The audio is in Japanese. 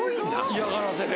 嫌がらせで。